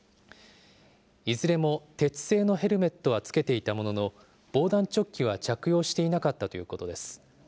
いずれも鉄製のヘルメットはつけていたものの、防弾チョッキは着用していなかったということです。